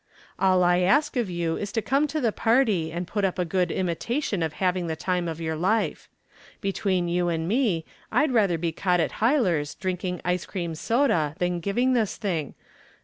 "All I ask of you is to come to the party and put up a good imitation of having the time of your life. Between you and me I'd rather be caught at Huyler's drinking ice cream soda than giving this thing.